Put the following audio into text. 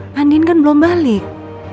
mandi kan belum balik